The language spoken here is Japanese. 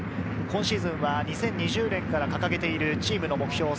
今シーズンは２０２０年から掲げているチームの目標。